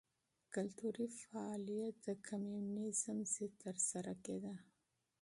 کلتوري فعالیت د کمونېزم ضد ترسره کېده.